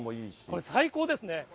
これ、最高ですね。